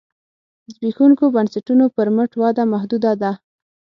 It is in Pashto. زبېښونکو بنسټونو پر مټ وده محدوده ده.